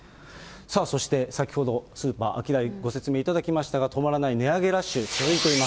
さあ、そして先ほどスーパーアキダイ、ご説明いただきましたが、止まらない値上げラッシュ。